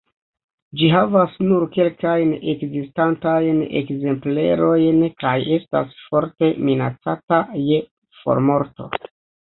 Ĝi havas nur kelkajn ekzistantajn ekzemplerojn kaj estas forte minacata je formorto.